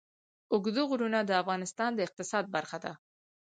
اوږده غرونه د افغانستان د اقتصاد برخه ده.